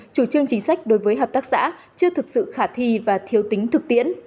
chủ trương chính sách đối với hợp tác xã chưa thực sự khả thi và thiếu tính thực tiễn